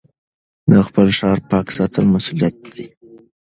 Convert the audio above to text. د خپل ښار پاک ساتل مسؤلیت دی.